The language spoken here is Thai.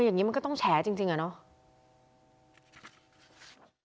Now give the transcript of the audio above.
อย่างนี้มันก็ต้องแฉจริงอะเนาะ